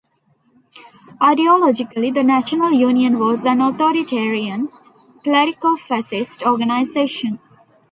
Ideologically, the National Union was an authoritarian, clerico-fascist organisation.